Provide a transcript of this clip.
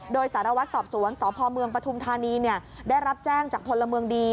โดยสารวัตรสอบสวนสพเมืองปฐุมธานีได้รับแจ้งจากพลเมืองดี